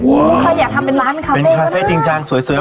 โอ้โฮใครอยากทำเป็นร้านคาเฟ่ก็ได้เป็นคาเฟ่จริงจังสวยแล้วกัน